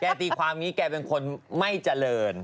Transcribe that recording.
ตีความนี้แกเป็นคนไม่เจริญ